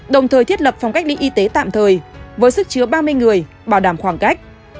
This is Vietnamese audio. đồng thời thiết lập phòng cách ly y tế tạm thời với sức chứa ba mươi người bảo đảm khoảng cách